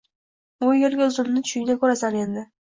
Bu yilgi uzumni tushingda ko`rasan, endi